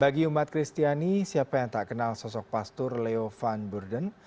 bagi umat kristiani siapa yang tak kenal sosok pastur leo van burden